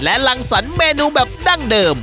และรังสรรคเมนูแบบดั้งเดิม